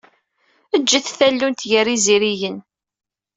Ǧǧet tallunt gar yizirigen.